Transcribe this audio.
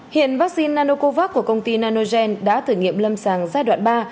hiện vaccine nanocovax của công ty nanogen đã thử nghiệm lâm sàng giai đoạn ba